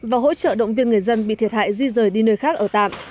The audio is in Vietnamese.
và hỗ trợ động viên người dân bị thiệt hại di rời đi nơi khác ở tạm